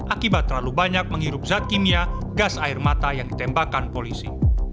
akibat terlalu banyak menghirup zat kimia gas air mata yang ditembakkan polisi